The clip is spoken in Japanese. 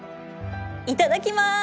いただきます！